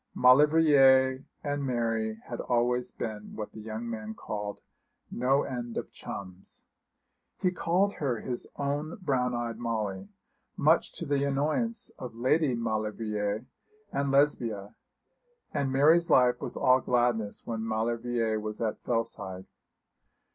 Maulevrier and Mary had always been what the young man called 'no end of chums.' He called her his own brown eyed Molly, much to the annoyance of Lady Maulevrier and Lesbia; and Mary's life was all gladness when Maulevrier was at Fellside.